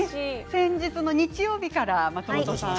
先日の日曜日から松本さん